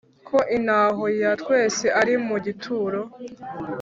ko intaho ya twese ari mu gituro.